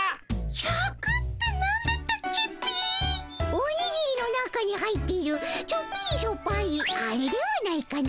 おにぎりの中に入っているちょっぴりしょっぱいあれではないかの？